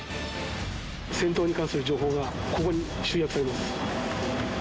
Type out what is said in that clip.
戦闘に関する情報がここに集約されてます。